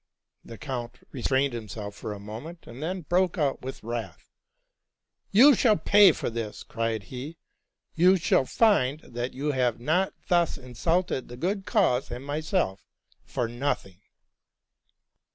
The count restrained himself for a moment, and then broke out with wrath, '' You shall pay for this,'' cried he: '+ you shall find that you have not thus insulted the good cause and myself for nothing